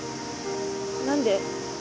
何で？